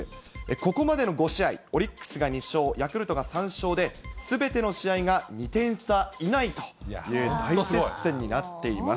ここまでの５試合、オリックスが２勝、ヤクルトが３勝で、すべての試合が２点差以内という大接戦になっています。